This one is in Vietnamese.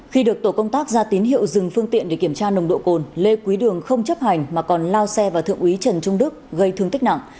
khi được tổ công tác ra tín hiệu dừng phương tiện để kiểm tra nồng độ cồn lê quý đường không chấp hành mà còn lao xe vào thượng úy trần trung đức gây thương tích nặng